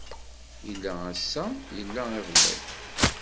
Yella ass-a yella iḍeli.